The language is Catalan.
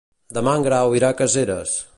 Demà en Grau irà a Caseres.